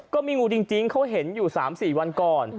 ก็มีงูจริงเขาเห็นอยู่๓๔วันก่อน